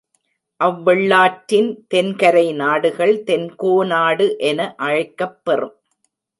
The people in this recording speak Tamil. அவ்வெள்ளாற்றின் தென்கரை நாடுகள் தென்கோனாடு என அழைக்கப் பெறும்.